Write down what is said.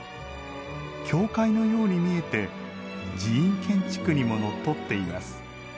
教会のように見えて寺院建築にものっとっています。